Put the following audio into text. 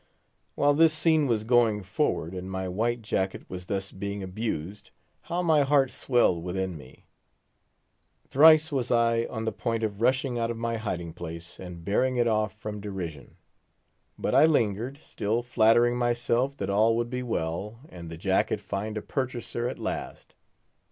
While this scene was going forward, and my white jacket was thus being abused, how my heart swelled within me! Thrice was I on the point of rushing out of my hiding place, and bearing it off from derision; but I lingered, still flattering myself that all would be well, and the jacket find a purchaser at last.